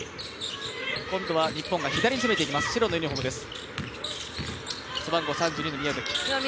今度は日本が左に攻めていきます、白のユニフォームです。